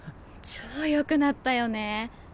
超よくなったよね。